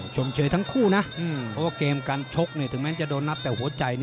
เชยทั้งคู่นะเพราะว่าเกมการชกถึงแม้จะโดนนับแต่หัวใจ